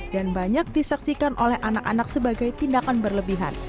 dan banyak disaksikan oleh anak anak sebagai tindakan berlebihan